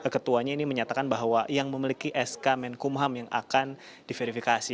ketuanya ini menyatakan bahwa yang memiliki sk menkumham yang akan diverifikasi